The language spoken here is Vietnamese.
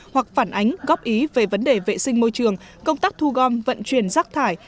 hoặc phản ánh góp ý về vấn đề vệ sinh môi trường công tác thu gom vận chuyển rác thải